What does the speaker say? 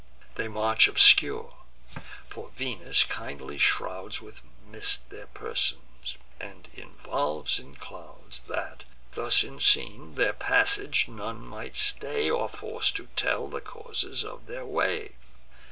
They march, obscure; for Venus kindly shrouds With mists their persons, and involves in clouds, That, thus unseen, their passage none might stay, Or force to tell the causes of their way.